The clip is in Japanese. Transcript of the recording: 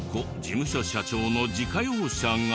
事務所社長の自家用車が。